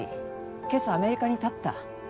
今朝アメリカにたった。